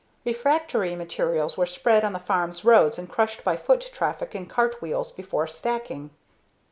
Refractory materials were spread on the farm's roads and crushed by foot traffic and cart wheels before stacking.